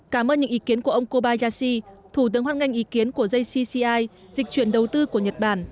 cảm ơn những ý kiến của ông kobayashi thủ tướng hoan nghênh ý kiến của jcci dịch chuyển đầu tư của nhật bản